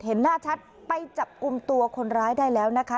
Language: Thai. เห็นหน้าชัดไปจับกลุ่มตัวคนร้ายได้แล้วนะคะ